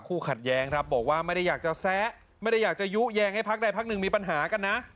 ขัดแย้งครับบอกว่าไม่ได้อยากจะแซะไม่ได้อยากจะยุแย้งให้พักใดพักหนึ่งมีปัญหากันนะ